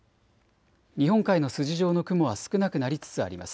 日本海の筋状の雲は少なくなりつつあります。